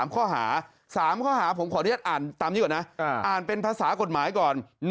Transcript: ๓ข้อหา๓ข้อหาผมขออนุญาตอ่านตามนี้ก่อนนะอ่านเป็นภาษากฎหมายก่อน